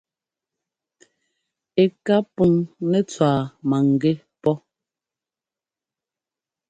Ɛ ká puŋ nɛ́ tswá maŋgɛ́ pɔ́.